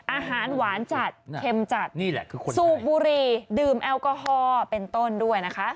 อาหารหวานจัดเข็มจัดซูบบุรีดื่มแอลกอฮอล์เป็นต้นด้วยนะคะ